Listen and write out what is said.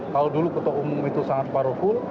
kalau dulu ketua umum itu sangat parokul